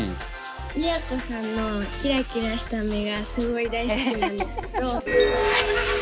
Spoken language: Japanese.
都さんのキラキラした目がすごい大好きなんですけど。